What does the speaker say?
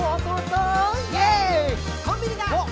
「コンビニだ！